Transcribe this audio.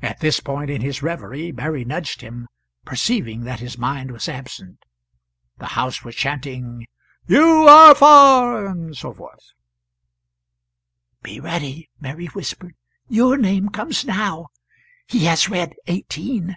At this point in his reverie Mary nudged him, perceiving that his mind was absent. The house was chanting, "You are f a r," etc. "Be ready," Mary whispered. "Your name comes now; he has read eighteen."